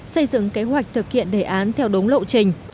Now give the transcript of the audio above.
xây dựng kế hoạch thực hiện đề án theo đúng lộ trình